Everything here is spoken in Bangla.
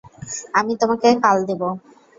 আমি তোমাকে কাল দেব।